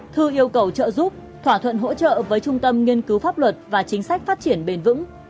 thư yêu cầu trợ giúp thỏa thuận hỗ trợ với trung tâm nghiên cứu pháp luật và chính sách phát triển bền vững